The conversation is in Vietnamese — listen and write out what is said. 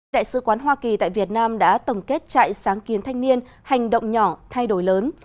đại sứ quán hoa kỳ tại việt nam đã tổng kết trại sáng kiến thanh niên hành động nhỏ thay đổi lớn